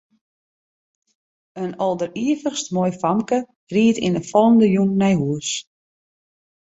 In alderivichst moai famke ried yn 'e fallende jûn nei hûs.